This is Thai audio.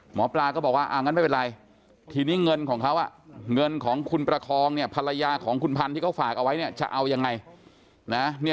หมอปลาก็บอกว่างั้นไม่เป็นไรทีนี้เงินของเขาเงินของคุณประคองเนี่ยภรรยาของคุณพันธ์ที่เขาฝากเอาไว้เนี่ยจะเอายังไงนะ